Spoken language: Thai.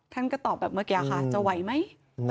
ท่านก็ตอบแบบเมื่อกี้ค่ะจะไหวไหม